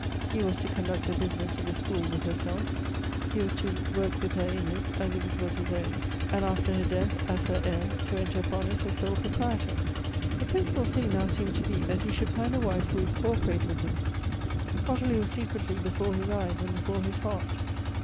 He was to conduct the business of the school with herself He was to work with her in it, as if it was his own ; and after her death, as her heir, to enter upon it as sole proprietor. The principal thing now seemed to be, that he should find a wife who would co operate with him. Ottilie was secretly before his eyes and before his heart.